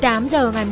gây ra vụ trọng án